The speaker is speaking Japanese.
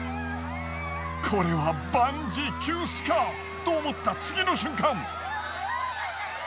これは万事休すかと思った次の瞬間。